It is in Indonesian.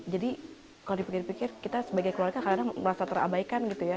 jadi kalau dipikir pikir kita sebagai keluarga kadang kadang merasa terabaikan gitu ya